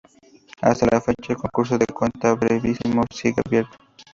Hasta la fecha, el concurso de cuento brevísimo sigue abierto.